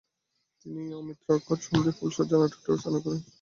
তিনি অমিত্রাক্ষর ছন্দে ফুলশয্যা নাটকটি রচনা করেন।